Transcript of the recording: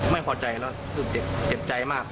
ไม่พอใจแล้วคือเจ็บใจมาก